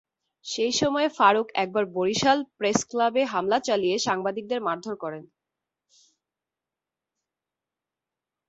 সেই সময় ফারুক একবার বরিশাল প্রেসক্লাবে হামলা চালিয়ে সাংবাদিকদের মারধর করেন।